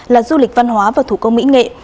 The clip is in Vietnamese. là du lịch văn hóa và thủ công mỹ nghệ